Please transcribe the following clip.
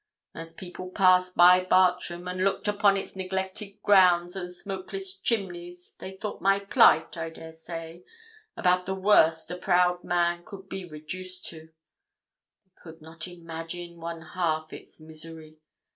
As people passed by Bartram, and looked upon its neglected grounds and smokeless chimneys, they thought my plight, I dare say, about the worst a proud man could be reduced to. They could not imagine one half its misery.